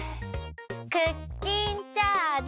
クッキンチャージ！